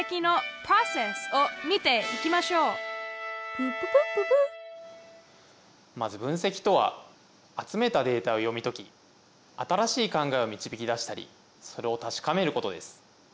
プププッププッまず分析とは集めたデータを読み解き新しい考えを導き出したりそれを確かめることです。